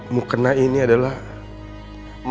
mas kawin papa dulu buat mama